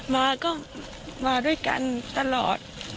มาก็มาด้วยกันตลอด